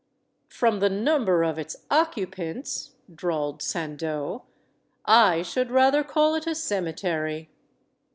"From the number of its occupants," drawled San deau, "I should rather call it a cemetery.